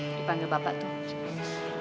nanti panggil bapak tuh